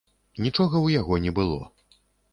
Нічога ў яго не было.